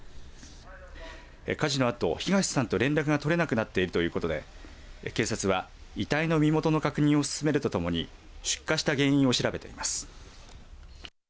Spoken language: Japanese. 火事のあと東さんと連絡が取れなくなっているということで警察は遺体の身元の確認を進めるとともに出火した原因を調べています。